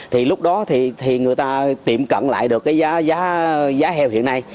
thì lúc đó thì người ta tìm cận được giá heo hiện nay